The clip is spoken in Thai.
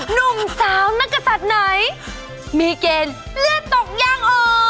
หนุ่มสาวนักศัตริย์ไหนมีเกณฑ์เลือดตกยางออก